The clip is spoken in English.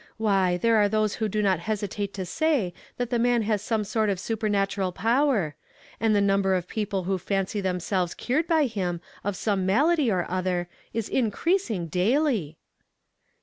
Why, there ar6 those who do not hesitate to say that the man has some sort of supernatural power ; and the number of people who fancy themselves cured by him of some malady or other is increasing daily."